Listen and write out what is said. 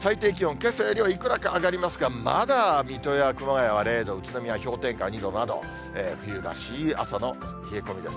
けさよりはいくらか上がりますが、まだ水戸や熊谷は０度、宇都宮は氷点下２度など、冬らしい朝の冷え込みです。